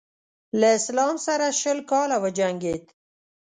له اسلام سره شل کاله وجنګېد.